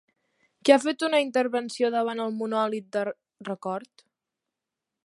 Qui ha fet una intervenció davant el monòlit de record?